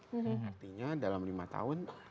jadi artinya dalam lima tahun